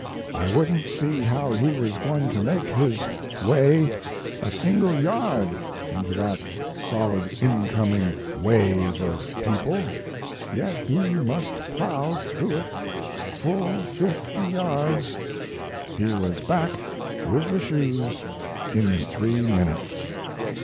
I wouldn't see how he was going to make his way a single yard into that solid incoming wave of people yet he must plow through it full 50 yards. He was back with the shoes in 3 minutes!